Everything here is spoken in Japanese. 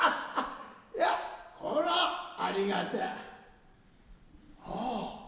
いやこらありがてァ。